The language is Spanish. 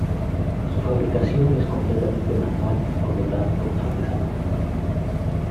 Su fabricación es completamente manual y por lo tanto artesanal.